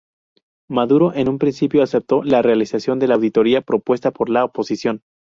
Maduro en un principio aceptó la realización de la auditoría propuesta por la oposición.